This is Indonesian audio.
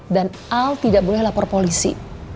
dan al tidak boleh lapor polisi